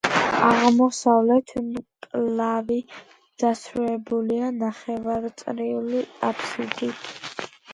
აღმოსავლეთ მკლავი დასრულებულია ნახევარწრიული აფსიდით.